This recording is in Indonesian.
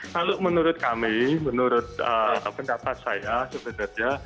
kalau menurut kami menurut pendapat saya sebenarnya